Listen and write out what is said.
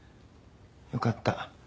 よかった。